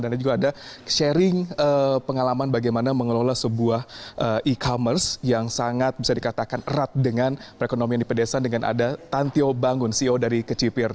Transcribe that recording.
dan juga ada sharing pengalaman bagaimana mengelola sebuah e commerce yang sangat bisa dikatakan erat dengan perekonomian di pedesa dengan ada tantio bangun ceo dari kecipir